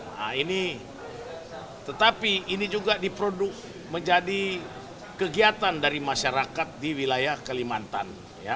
nah ini tetapi ini juga diproduk menjadi kegiatan dari masyarakat di wilayah kalimantan